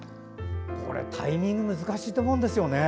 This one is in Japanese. これ、タイミング難しいと思うんですよね。